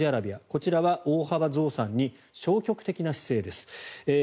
こちらは大幅増産に消極的な姿勢です。